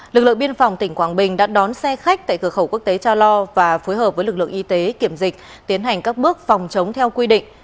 lực lượng biên phòng tỉnh quảng bình đã đón xe khách tại cửa khẩu quốc tế cha lo và phối hợp với lực lượng y tế kiểm dịch tiến hành các bước phòng chống theo quy định